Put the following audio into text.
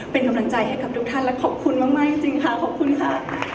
เป็นกำลังใจให้กับทุกท่านและขอบคุณมากจริงค่ะขอบคุณค่ะ